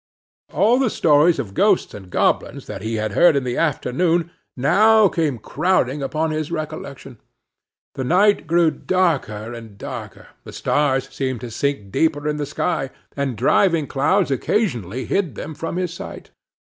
All the stories of ghosts and goblins that he had heard in the afternoon now came crowding upon his recollection. The night grew darker and darker; the stars seemed to sink deeper in the sky, and driving clouds occasionally hid them from his sight.